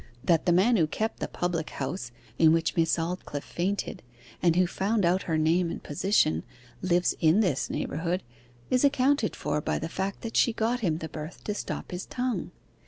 That the man who kept the public house in which Miss Aldclyffe fainted, and who found out her name and position, lives in this neighbourhood, is accounted for by the fact that she got him the berth to stop his tongue.